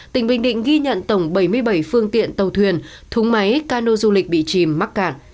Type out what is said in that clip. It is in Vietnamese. tỉnh bình định ghi nhận tổng bảy mươi bảy phương tiện tàu thuyền thúng máy cano du lịch bị chìm mắc cạn